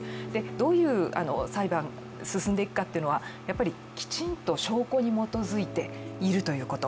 どういう裁判、進んでいくかというのはきちんと証拠に基づいているということ。